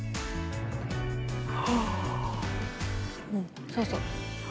うんそうそう。